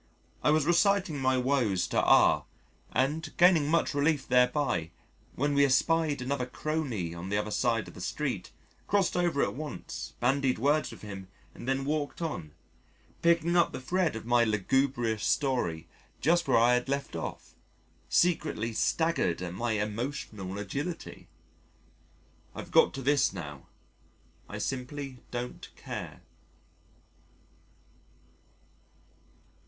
I was reciting my woes to R , and gaining much relief thereby, when we espied another crony on the other side of the street, crossed over at once, bandied words with him and then walked on, picking up the thread of my lugubrious story just where I had left off secretly staggered at my emotional agility. I've got to this now, I simply don't care.